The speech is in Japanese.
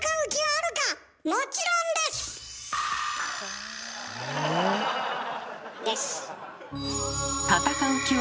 「もちろんです」。え？